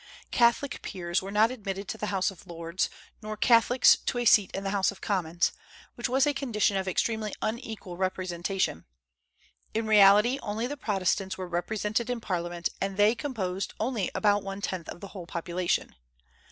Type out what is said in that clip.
Catholic peers were not admitted to the House of Lords, nor Catholics to a seat in the House of Commons, which was a condition of extremely unequal representation. In reality, only the Protestants were represented in Parliament, and they composed only about one tenth of the whole population.